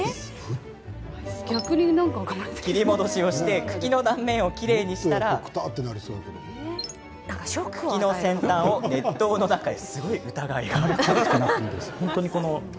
切り戻しをして茎の断面をきれいにしたら茎の先端を熱湯の中へ。